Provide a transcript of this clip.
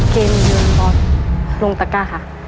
เกมโยนบอลลงตะกร่าค่ะ